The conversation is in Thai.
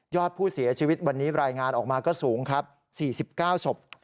อดผู้เสียชีวิตวันนี้รายงานออกมาก็สูงครับ๔๙ศพ